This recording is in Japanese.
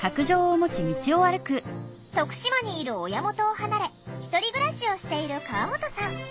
徳島にいる親元を離れ１人暮らしをしている川本さん。